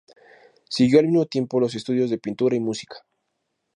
Siguió al mismo tiempo los estudios de pintura y música.